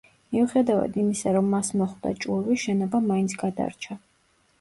მიუხედავად იმისა, რომ მას მოხვდა ჭურვი, შენობა მაინც გადარჩა.